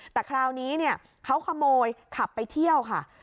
แต่คราวนี้เขาขโมยขับไปเที่ยวค่ะ